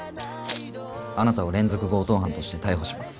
あなたを連続強盗犯として逮捕します。